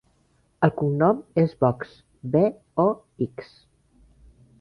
El cognom és Box: be, o, ics.